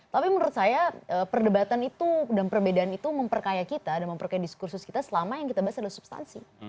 tapi menurut saya perdebatan itu dan perbedaan itu memperkaya kita dan memperkaya diskursus kita selama yang kita bahas adalah substansi